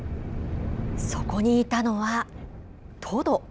そこにいたのは、トド。